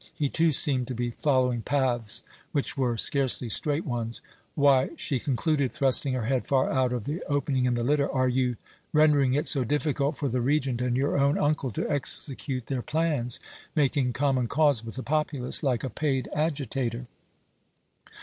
He, too, seemed to be following paths which were scarcely straight ones. "Why," she concluded, thrusting her head far out of the opening in the litter, "are you rendering it so difficult for the Regent and your own uncle to execute their plans, making common cause with the populace, like a paid agitator?"